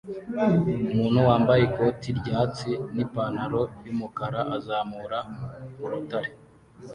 Umuntu wambaye ikoti ryatsi nipantaro yumukara azamura urutare